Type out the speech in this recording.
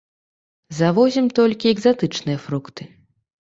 Завозім толькі экзатычныя фрукты.